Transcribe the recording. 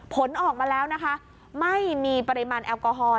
ผลออกมาแล้วนะคะไม่มีปริมาณแอลกอฮอล์